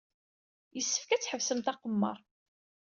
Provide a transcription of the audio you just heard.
Yessefk ad tḥebsemt aqemmer.